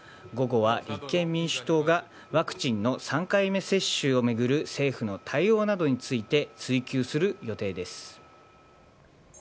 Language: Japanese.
午後は立憲民主党が、ワクチンの３回目接種を巡る政府の対応などについて追及する予定です。